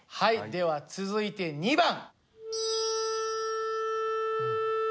では続いて２番！